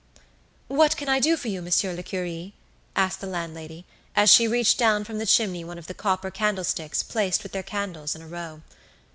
"What can I do for you, Monsieur le Curé?" asked the landlady, as she reached down from the chimney one of the copper candlesticks placed with their candles in a row.